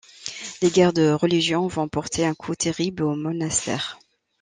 Les guerres de religion vont porter un coup terrible au monastère.